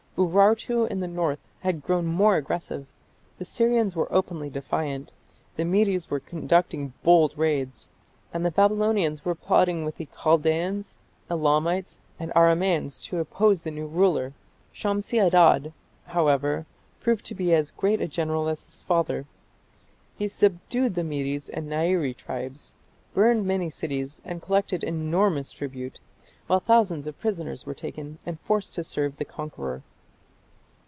Urartu in the north had grown more aggressive, the Syrians were openly defiant, the Medes were conducting bold raids, and the Babylonians were plotting with the Chaldaeans, Elamites, and Aramaeans to oppose the new ruler. Shamshi Adad, however, proved to be as great a general as his father. He subdued the Medes and the Nairi tribes, burned many cities and collected enormous tribute, while thousands of prisoners were taken and forced to serve the conqueror.